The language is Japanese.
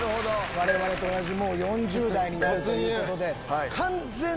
我々と同じ４０代になるということで。